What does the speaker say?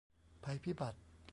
ภัยพิบัติ